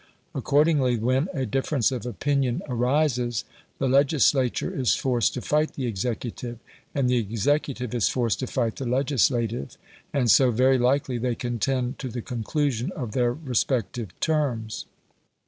Accordingly, when a difference of opinion arises, the legislature is forced to fight the executive, and the executive is forced to fight the legislative; and so very likely they contend to the conclusion of their respective terms.